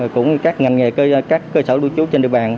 cũng các ngành nghề các cơ sở lưu trú trên địa bàn